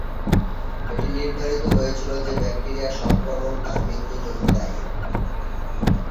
এটি নির্ধারিত হয়েছিল যে ব্যাকটেরিয়া সংক্রমণ তার মৃত্যুর জন্য দায়ী।